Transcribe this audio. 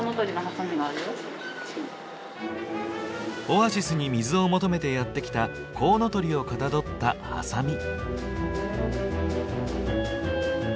オアシスに水を求めてやって来たコウノトリをかたどったハサミ。